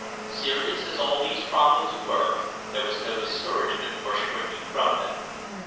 Serious as all these problems were, there was no discourage ment or shrinking from them.